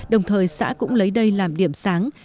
đồng thời xã cũng lấy đây làm điểm sáng